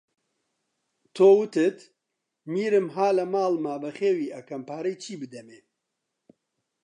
تۆ، وتت: میرم ها لە ماڵما بەخێوی ئەکەم پارەی چی بدەمێ؟